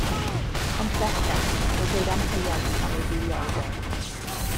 Ond bellach nid oedd amheuaeth am ei dduwioldeb.